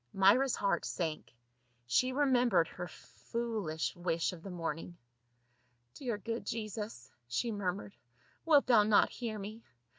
Myra's heart sank ; she remembered her foolish 90 PA UL. wish of the morning. " Dear good Jesus," she mur mured, "wilt thou not hear me?